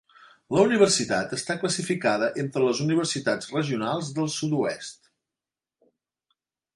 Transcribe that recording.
La universitat està classificada entre les universitats regionals del sud-oest.